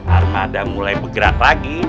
armada mulai bergerak lagi